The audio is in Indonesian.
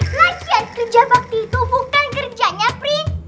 lagi lagi kerja bakti itu bukan kerjanya prinses